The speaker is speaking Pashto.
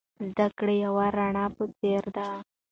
زده کړه د یوې رڼا په څیر ده.